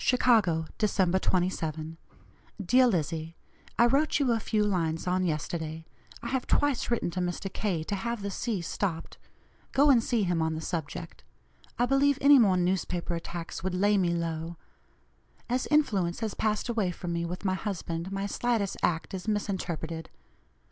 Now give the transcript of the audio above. "CHICAGO, December 27. "DEAR LIZZIE: I wrote you a few lines on yesterday. I have twice written to Mr. K. to have the C. stopped. Go and see him on the subject. I believe any more newspaper attacks would lay me low As influence has passed away from me with my husband, my slightest act is misinterpreted.